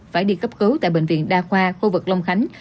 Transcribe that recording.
phải đi cấp cứu tại bệnh viện đa khoa khu vực long khánh